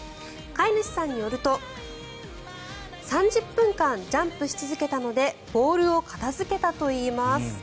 飼い主さんによると３０分間ジャンプし続けたのでボールを片付けたといいます。